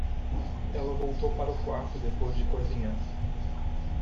Ela voltou para o quarto depois de cozinhar.